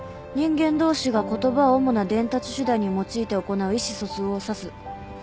人間同士が言葉を主な伝達手段に用いて行う意思疎通を指す」